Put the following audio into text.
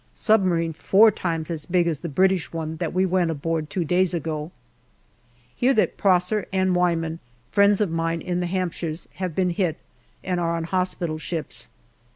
Submarine four times as big as the British one that we went aboard two days ago. Hear that Prosser and Wyman, friends of mine in the Hampshires, have been hit and are on hospital ships.